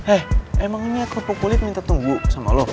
eh emang ini kerupuk kulit minta tunggu sama lo